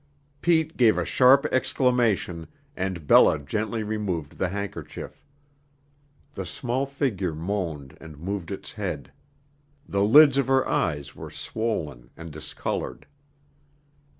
Pete gave a sharp exclamation, and Bella gently removed the handkerchief. The small figure moaned and moved its head. The lids of her eyes were swollen and discolored.